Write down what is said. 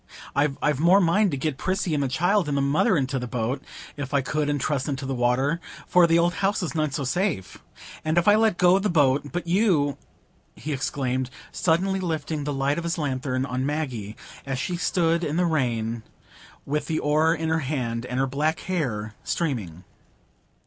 I've more mind to get Prissy and the child and the mother into the boat, if I could, and trusten to the water,—for th' old house is none so safe. And if I let go the boat—but you," he exclaimed, suddenly lifting the light of his lanthorn on Maggie, as she stood in the rain with the oar in her hand and her black hair streaming.